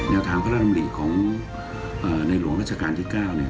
แนวถามพระรามุดิของในหลวงราชการที่๙